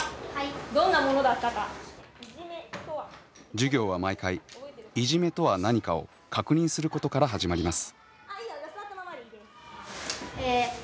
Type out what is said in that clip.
授業は毎回いじめとは何かを確認することから始まります。